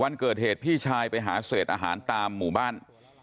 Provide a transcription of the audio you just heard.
วันเกิดเหตุพี่ชายไปหาเศษอาหารตามหมู่บ้าน